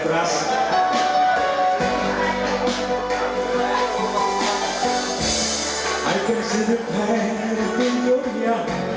terus ini gia pao